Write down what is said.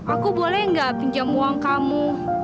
aku boleh nggak pinjam uang kamu